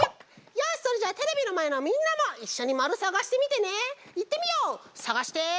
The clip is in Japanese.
よしそれじゃあテレビのまえのみんなもいっしょにまるさがしてみてね！